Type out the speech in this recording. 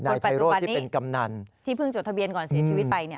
คุณปฏิรูปที่เป็นกำนันที่เพิ่งจดทะเบียนก่อนเสียชีวิตไปเนี่ย